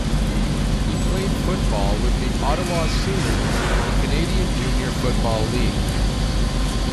He played football with the Ottawa Sooners of the Canadian Junior Football League.